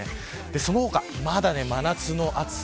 その他まだ真夏の暑さ。